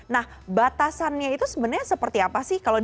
nah batasannya itu sebenarnya seperti apa sih